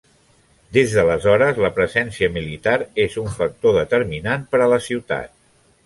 Des d'aleshores la presència militar és un factor determinant per a la ciutat.